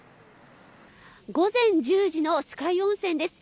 午前１０時の酸ヶ湯温泉です。